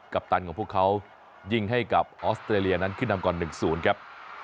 ปตันของพวกเขายิงให้กับออสเตรเลียนั้นขึ้นนำก่อน๑๐ครับ